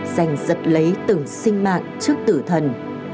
dành giật lấy từng sinh mạng trước tử thần